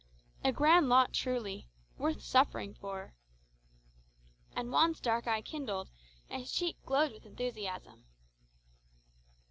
A grand lot truly? Worth suffering for!" And Juan's dark eye kindled, and his cheek glowed with enthusiasm.